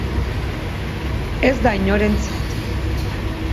Ez da inorentzat.